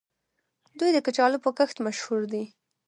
دوی د کچالو په کښت مشهور دي.